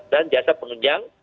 dan jasa penunjang